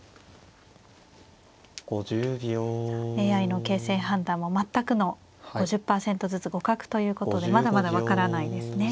ＡＩの形勢判断も全くの５０％ずつ互角ということでまだまだ分からないですね。